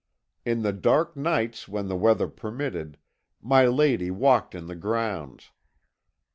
"In the dark nights when the weather permitted, my lady walked in the grounds.